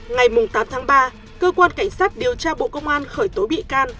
ngày tám tháng ba cơ quan cảnh sát điều tra bộ công an khởi tố bị can